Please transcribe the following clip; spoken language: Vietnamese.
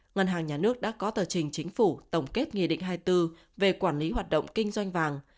ngân hàng nhà nước đã có tờ trình chính phủ tổng kết nghị định hai mươi bốn về quản lý hoạt động kinh doanh vàng